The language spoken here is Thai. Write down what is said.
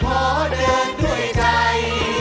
เพื่อพลังสะท้าของคนลูกทุก